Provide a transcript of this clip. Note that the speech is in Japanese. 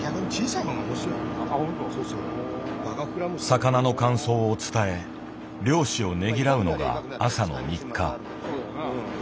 魚の感想を伝え漁師をねぎらうのが朝の日課。